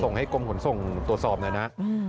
ส่งให้กรมขนส่งตรวจสอบหน่อยนะ